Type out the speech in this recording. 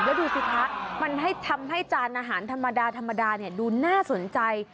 แล้วดูสิคะมันทำให้จานอาหารธรรมดาดูน่าสนใจ